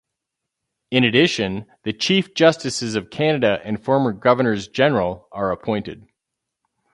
In addition, the chief justices of Canada and former governors general are appointed.